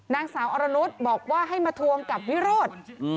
นางสาวอรนุษย์บอกว่าให้มาทวงกับวิโรธ